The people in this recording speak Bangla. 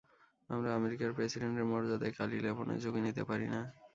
আমরা আমেরিকার প্রেসিডেন্টের মর্যাদায় কালি লেপনের ঝুঁকি নিতে পারি না।